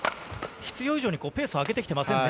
必要以上にペースをあげてきていませんね。